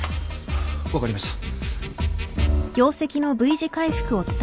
分かりました